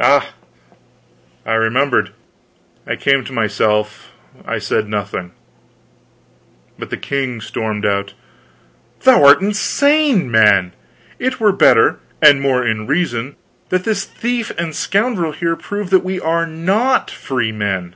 Ah I remembered! I came to myself; I said nothing. But the king stormed out: "Thou'rt insane, man. It were better, and more in reason, that this thief and scoundrel here prove that we are not freemen."